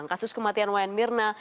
kasus kematian wayan mirna